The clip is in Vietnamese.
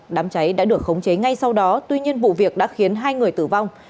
đám cháy đã được khống chế ngay sau đó tuy nhiên vụ việc đã khiến hai người tử vong